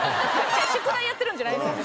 宿題やってるんじゃないんですよ。